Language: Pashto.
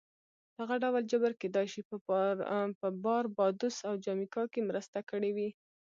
دغه ډول جبر کېدای شي په باربادوس او جامیکا کې مرسته کړې وي